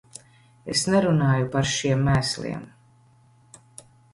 Es nerunāju par šiem mēsliem.